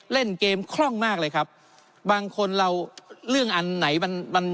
เล่นเกมคล่องมากเลยครับบางคนเราเรื่องอันไหนมันมัน